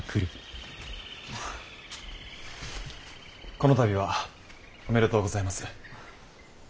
この度はおめでとうございます。